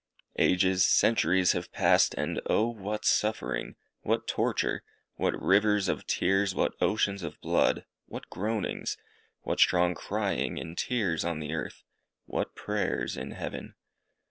Ages, centuries have passed, and Oh! what suffering! what torture! what rivers of tears! what oceans of blood! what groanings! what strong crying and tears on the earth! what prayers in heaven!